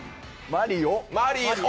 マリオ。